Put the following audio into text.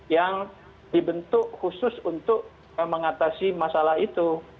yang dibentuk khusus untuk mengatasi masalah itu